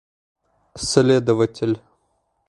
Следователь.